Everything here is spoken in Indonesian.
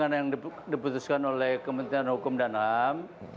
se dengan yang diputuskan oleh kementerian hukum dan ham